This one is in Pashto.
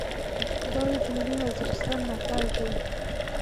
دا د جنوبي وزيرستان مرکز دى.